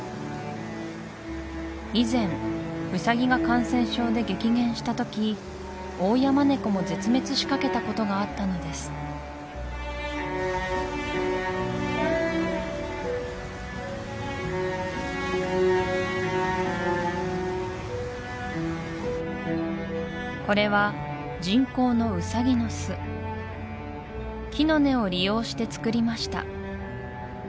以前ウサギが感染症で激減したときオオヤマネコも絶滅しかけたことがあったのですこれは木の根を利用してつくりました